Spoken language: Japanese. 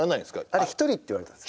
あれ「１人」って言われたんです。